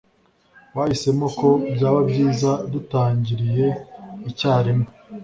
bahisemo ko byaba byiza dutangiriye icyarimwe